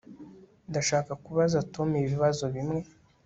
Ndashaka kubaza Tom ibibazo bimwe